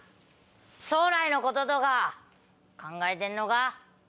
将来のこととか考えてんのか？